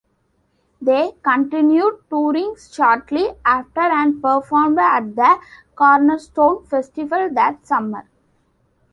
They continued touring shortly after and performed at the Cornerstone Festival that summer.